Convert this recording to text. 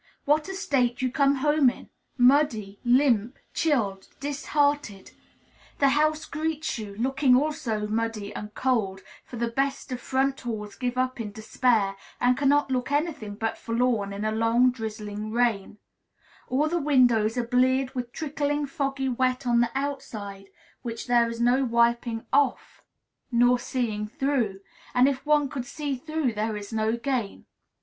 What a state you come home in, muddy, limp, chilled, disheartened! The house greets you, looking also muddy and cold, for the best of front halls gives up in despair and cannot look any thing but forlorn in a long, drizzling rain; all the windows are bleared with trickling, foggy wet on the outside, which there is no wiping off nor seeing through, and if one could see through there is no gain.